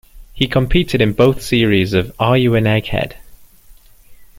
He competed in both series of Are You an Egghead?